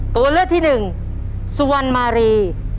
ตัวเลิศที่๑สุวรรณมารี